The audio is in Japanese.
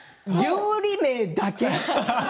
料理名だけ。